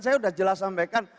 saya sudah jelas sampaikan